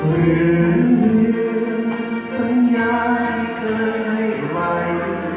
เหลือเหลือสัญญาที่เคยไม่ไหว